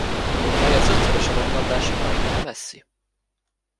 Unokája az ötszörös aranylabdás Lionel Messi.